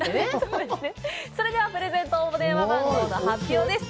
それではプレゼントの応募電話番号の発表です。